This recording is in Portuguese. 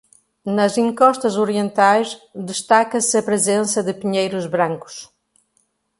Nas encostas orientais, destaca-se a presença de pinheiros brancos.